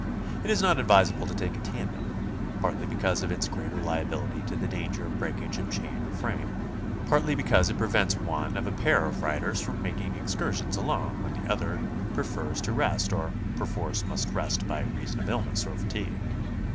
It is not advisable to take a tandem, partly because of its greater lia bility to the danger of breakage of chain or frame, partly be cause it prevents one of a pair of riders from making excur sions alone when the other prefers to rest or perforce must rest by reason of illness or fatigue.